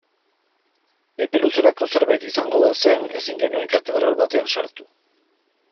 Epe luzerako zerbait izango bazen ezin genuen katedral batean sartu.